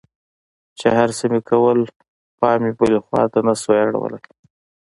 چې هرڅه مې کول پام مې بلې خوا ته نه سو اړولى.